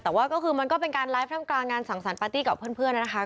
แต่ว่าก็คือมันก็เป็นการไลฟ์ทำกลางงานสั่งสรรปาร์ตี้กับเพื่อนนะคะ